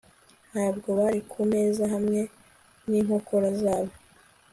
Ntabwo bari kumeza hamwe ninkokora zabo